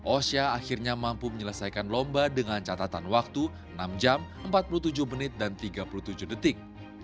osha akhirnya mampu menyelesaikan lomba dengan catatan waktu enam jam empat puluh tujuh menit dan tiga puluh tujuh detik